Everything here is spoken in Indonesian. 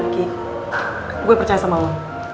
riffki gua percaya sama lo